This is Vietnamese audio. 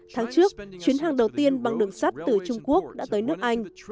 tháng trước chuyến hàng đầu tiên bằng đường sắt từ trung quốc đã tới nước anh